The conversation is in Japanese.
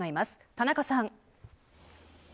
田中さん。